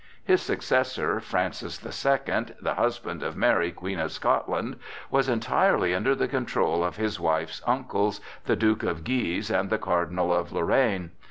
His successor, Francis the Second, the husband of Mary, Queen of Scotland, was entirely under the control of his wife's uncles, the Duke of Guise and the Cardinal of Lorraine.